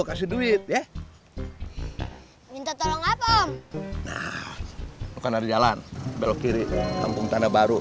kasih duit ya minta tolong apa nah bukan ada jalan belok kiri kampung tanda baru